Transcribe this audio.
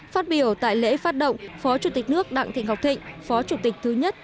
phát biểu tại lễ phát động phó chủ tịch nước đặng thị ngọc thịnh phó chủ tịch thứ nhất